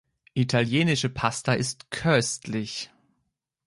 Italienische Pasta ist köstlich.